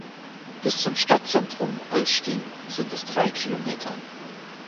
Bis zum Stadtzentrum Olsztyn sind es drei Kilometer.